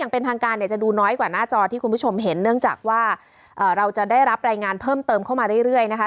เป็นทางการเนี่ยจะดูน้อยกว่าหน้าจอที่คุณผู้ชมเห็นเนื่องจากว่าเราจะได้รับรายงานเพิ่มเติมเข้ามาเรื่อยนะคะ